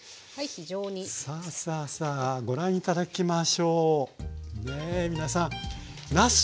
さあさあさあご覧頂きましょう。